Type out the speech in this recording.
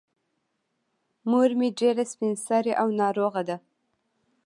مور مې ډېره سبین سرې او ناروغه ده.